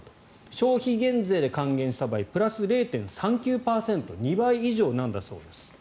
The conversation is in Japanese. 消費減税で還元した場合はプラス０．３９％２倍以上なんだそうです。